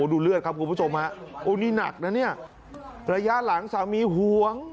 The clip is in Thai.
ดูเลือดครับคุณผู้ชมฮะโอ้นี่หนักนะเนี่ยระยะหลังสามีห่วง